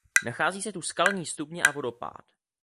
Nachází se tu skalní stupně a vodopád.